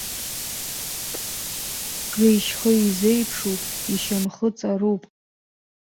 Геи-шьхеи изеиԥшуп, ишьамхы ҵаруп.